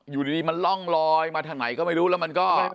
อยู่ดีมันร่องลอยมาทางไหนก็ไม่รู้แล้วมันก็